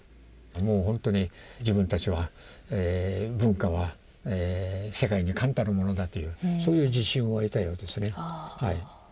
もうほんとに自分たちは文化は世界に冠たるものだというそういう自信を得たようですね。